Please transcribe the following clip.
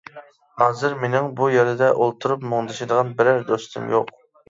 ھازىر مىنىڭ بۇ يەردە ئولتۇرۇپ مۇڭدىشىدىغان بىرەر دوستۇم يوق.